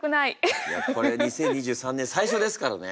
これ２０２３年最初ですからね。